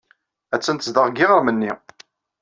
Attan tezdeɣ deg yiɣrem-nni.